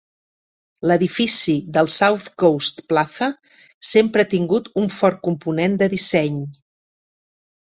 L'edifici del South Coast Plaza sempre ha tingut un fort component de disseny.